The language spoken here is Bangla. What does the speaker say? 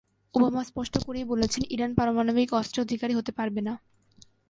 ওবামা স্পষ্ট করেই বলেছেন, ইরান পারমাণবিক অস্ত্রের অধিকারী হতে পারবে না।